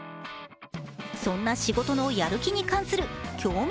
そんな仕事のやる気に関する興味